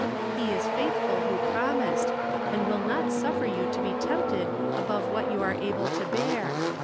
He is faithful who promised, and will not suffer you to be tempted above what you are able to bear.